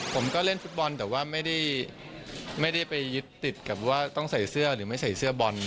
ผมก็เล่นฟุตบอลแต่ว่าไม่ได้ไปยึดติดกับว่าต้องใส่เสื้อหรือไม่ใส่เสื้อบอล